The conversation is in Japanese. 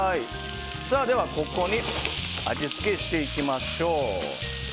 では、味付けしていきましょう。